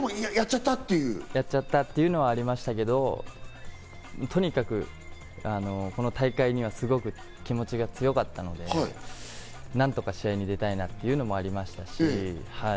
やっちゃったっていうのはありましたけど、とにかくこの大会にはすごく気持ちが強かったので、何とか試合に出たいなというのもありましたし。